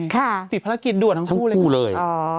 สิทธิ์ภารกิจด่วนทั้งคู่เลย